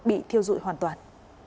bị thiêu dụi hoàn toàn